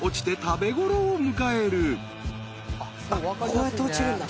こうやって落ちるんだ。